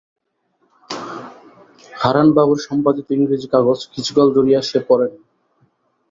হারানবাবুর সম্পাদিত ইংরেজি কাগজ কিছুকাল ধরিয়া সে পড়ে নাই।